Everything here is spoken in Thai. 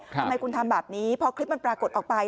ทำไมคุณทำแบบนี้พอคลิปมันปรากฏออกไป